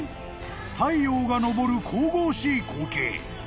太陽が昇る神々しい光景］